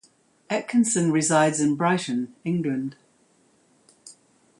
Atkinson resides in Brighton, England.